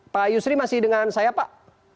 pak yusri masih dengan saya pak